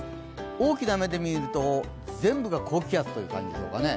大きな目で見ると、全部が高気圧という感じでしょうかね。